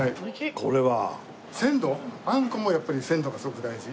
鮮度あんこもやっぱり鮮度がすごく大事。